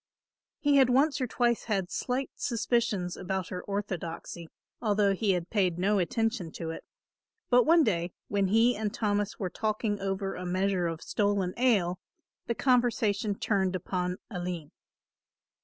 He had once or twice had slight suspicions about her orthodoxy, although he had paid no attention to it; but one day, when he and Thomas were talking over a measure of stolen ale, the conversation turned upon Aline.